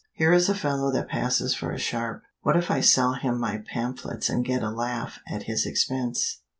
"Here is a fellow that passes for a sharp. What if I sell him my pamphlets and get a laugh at his expense.